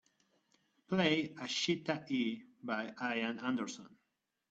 Play Ashita E by Ian Anderson